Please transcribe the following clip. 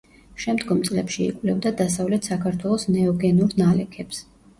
შემდგომ წლებში იკვლევდა დასავლეთ საქართველოს ნეოგენურ ნალექებს.